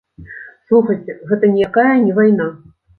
Слухайце, гэта ніякая не вайна.